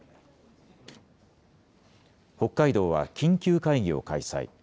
北海道は緊急会議を開催。